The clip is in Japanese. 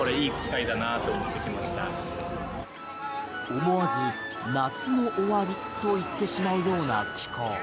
思わず夏の終わりを言ってしまうような気候。